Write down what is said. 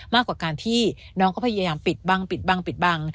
มากกว่าการที่น้องก็พยายามปิดบัง